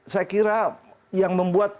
saya kira yang membuat